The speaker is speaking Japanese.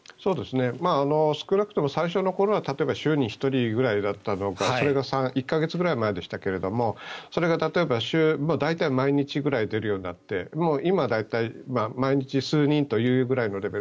少なくとも最初の頃は例えば週に１人ぐらいだったのがそれが１か月くらい前でしたがそれが例えば大体毎日くらい出るようになって今、大体毎日数人というぐらいのレベル。